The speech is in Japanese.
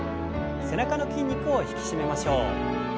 背中の筋肉を引き締めましょう。